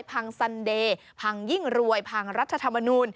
พังสันเดย์พังยิ่งรวยพังรัฐธรรมนูล